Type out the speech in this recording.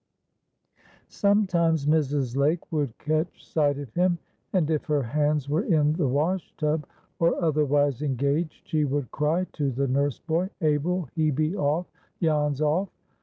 Sometimes Mrs. Lake would catch sight of him, and if her hands were in the wash tub, or otherwise engaged, she would cry to the nurse boy, "Abel, he be off! Jan's off."